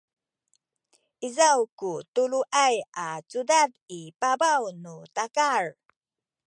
izaw ku tuluay a cudad i pabaw nu takal